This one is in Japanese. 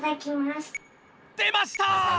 でました！